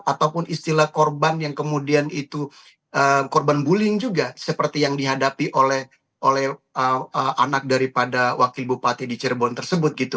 ataupun istilah korban yang kemudian itu korban bullying juga seperti yang dihadapi oleh anak daripada wakil bupati di cirebon tersebut gitu